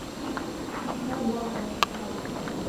Dabwaghwa ni kau.